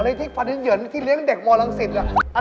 อะไรที่พะนิดเหยินที่เลี้ยงเด็กมลังศิษฐ์อะ